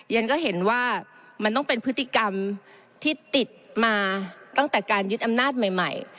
ฉันก็เห็นว่ามันต้องเป็นพฤติกรรมที่ติดมาตั้งแต่การยึดอำนาจใหม่